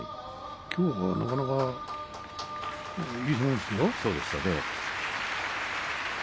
きょうはなかなかいい相撲ですよ。